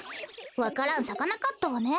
わか蘭さかなかったわね。